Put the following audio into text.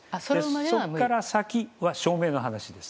そこから先は証明の話です。